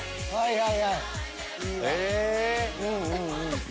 はい。